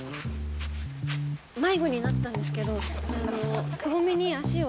迷子になったんですけどであのくぼみに足を。